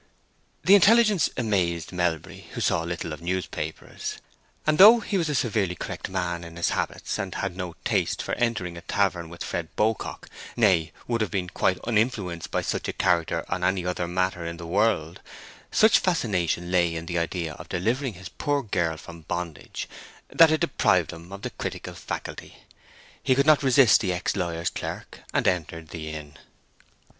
The intelligence amazed Melbury, who saw little of newspapers. And though he was a severely correct man in his habits, and had no taste for entering a tavern with Fred Beaucock—nay, would have been quite uninfluenced by such a character on any other matter in the world—such fascination lay in the idea of delivering his poor girl from bondage, that it deprived him of the critical faculty. He could not resist the ex lawyer's clerk, and entered the inn.